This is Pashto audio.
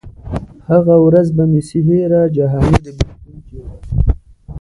هغه ورځ به مي سي هېره جهاني د بېلتون چیغه